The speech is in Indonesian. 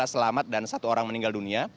delapan belas selamat dan satu orang meninggal dunia